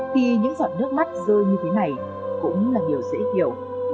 thì những giọt nước mắt rơi như thế này cũng là điều dễ hiểu